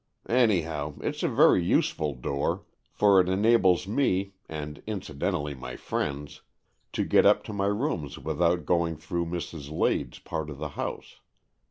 "Anyhow, it's a very useful door, for it enables me, and incidentally my friends, to get up to my rooms without going through Mrs. Lade's part of the house.